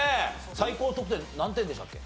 最高得点何点でしたっけ？